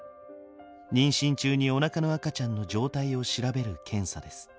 妊娠中におなかの赤ちゃんの状態を調べる検査です。